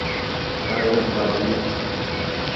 Tahir al-Qadri